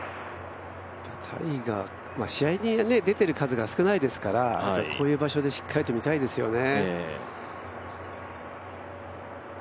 試合に出てる数が少ないですからこういう場所でしっかりととりたいですよね。